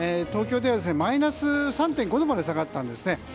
東京ではマイナス３．５度まで下がったんですね。